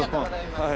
はい。